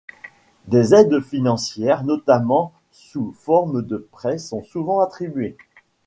Des aides financières notamment sous formes de prêts sont souvent attribuées.